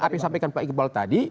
apa yang disampaikan pak iqbal tadi